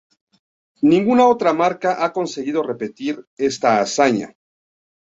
Ninguna otra marca ha conseguido repetir esta hazaña.